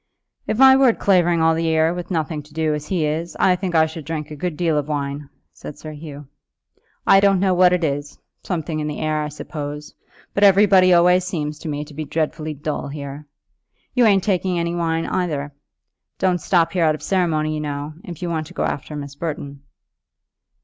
"If I were left at Clavering all the year, with nothing to do, as he is, I think I should drink a good deal of wine," said Sir Hugh. "I don't know what it is, something in the air, I suppose, but everybody always seems to me to be dreadfully dull here. You ain't taking any wine either. Don't stop here out of ceremony, you know, if you want to go after Miss Burton."